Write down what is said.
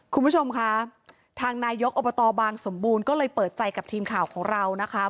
คุณผู้ชมคะทางนายกอบตบางสมบูรณ์ก็เลยเปิดใจกับทีมข่าวของเรานะคะ